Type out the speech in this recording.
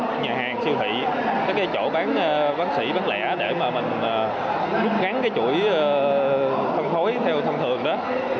các nhà hàng siêu thị các chỗ bán xỉ bán lẻ để mà mình rút gắn cái chuỗi phân phối theo thông thường đó